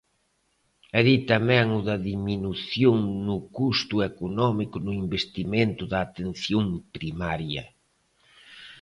E di tamén o da diminución no custo económico no investimento da atención primaria.